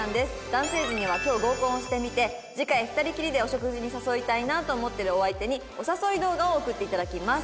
男性陣には今日合コンをしてみて次回２人きりでお食事に誘いたいなと思ってるお相手にお誘い動画を送って頂きます。